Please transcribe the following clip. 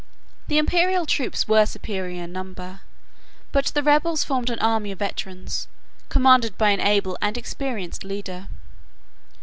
The Imperial troops were superior in number; but the rebels formed an army of veterans, commanded by an able and experienced leader.